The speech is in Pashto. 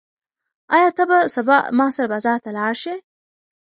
ایا ته به سبا ما سره بازار ته لاړ شې؟